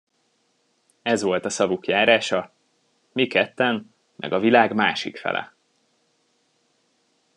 Ez volt a szavuk járása: Mi ketten meg a világ másik fele!